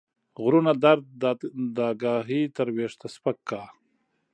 غرونه درد داګاهي تر ويښته سپک کا